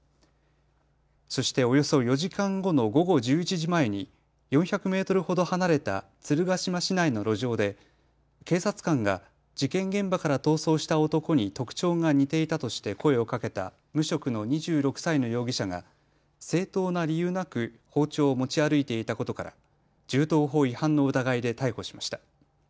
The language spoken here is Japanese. そして、およそ４時間後の午後１１時前に４００メートルほど離れた鶴ヶ島市内の路上で警察官が事件現場から逃走した男に特徴が似ていたとして声をかけた無職の２６歳の容疑者が正当な理由なく包丁を持ち歩いていたことから銃刀法違反の疑いで逮捕しました。